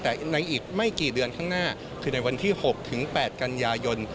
แต่ในอีกไม่กี่เดือนข้างหน้าคือในวันที่๖ถึง๘กันยายน